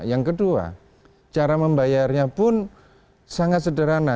yang kedua cara membayarnya pun sangat sederhana